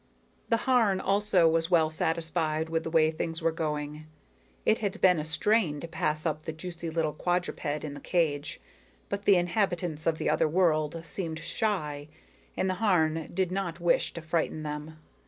_The Harn, also, was well satisfied with the way things were going. It had been a strain to pass up the juicy little quadruped in the cage, but the inhabitants of the other world seemed shy, and the Harn did not wish to frighten them.